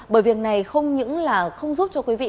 bởi việc này không những là không giúp cho quý vị